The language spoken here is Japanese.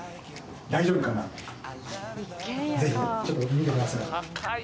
大丈夫かな？